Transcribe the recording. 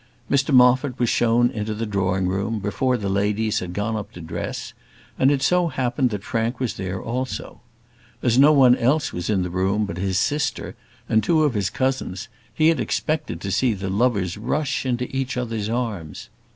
Mr Moffat was shown into the drawing room before the ladies had gone up to dress, and it so happened that Frank was there also. As no one else was in the room but his sister and two of his cousins, he had expected to see the lovers rush into each other's arms.